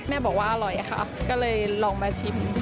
แม่บอกว่าอร่อยค่ะก็เลยลองมาชิม